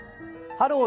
「ハロー！